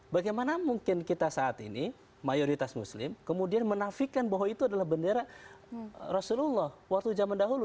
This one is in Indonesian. bagaimana mungkin kita saat ini mayoritas muslim kemudian menafikan bahwa itu adalah bendera rasulullah waktu zaman dahulu